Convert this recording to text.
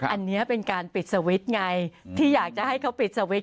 อันนี้เป็นการปิดสวิตช์ไงที่อยากจะให้เขาปิดสวิตช